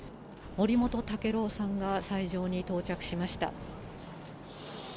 森本毅郎さんが斎場に到着しました。